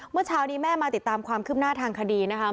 เมื่อเช้านี้แม่มาติดตามความคืบหน้าทางคดีนะคะ